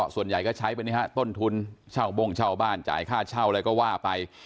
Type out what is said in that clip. ส่วนใหญ่ก็ใช้เป็นต้นทุนเช่าบ้งเช่าบ้านจ่ายค่าเช่าอะไรก็ว่าไป